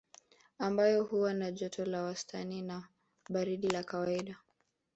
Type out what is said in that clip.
Ambayo huwa na joto la wastani na baridi la kawaida